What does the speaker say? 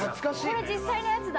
これ実際のやつだ。